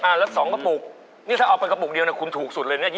อ่ะแล้ว๒กระปุกนี่ถ้าเอาเป็นกระปุกเดียวคุณถูกสุดเลย๒๕บาท